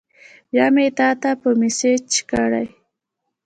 بیا مې تاته په میسج کړی